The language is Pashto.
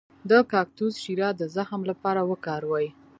د کاکتوس شیره د زخم لپاره وکاروئ